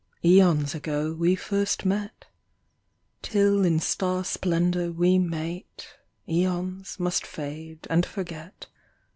Aeons ago we first met. Till in star splendor we mate Aeons must fade and forget.